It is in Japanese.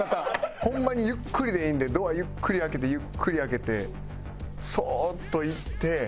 ホンマにゆっくりでいいんでドアゆっくり開けてゆっくり開けてそーっと行って。